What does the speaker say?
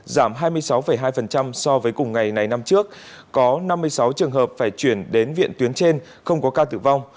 giảm hai mươi sáu hai so với cùng ngày này năm trước có năm mươi sáu trường hợp phải chuyển đến viện tuyến trên không có ca tử vong